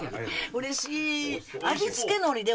うれしい！